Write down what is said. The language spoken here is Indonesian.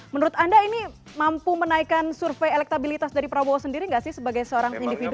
menurut anda ini mampu menaikkan survei elektabilitas dari prabowo sendiri nggak sih sebagai seorang individu